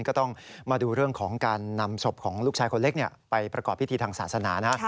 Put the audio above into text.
ก็ต้องมาดูเรื่องของการนำศพของลูกชายคนเล็กไปประกอบพิธีทางศาสนานะ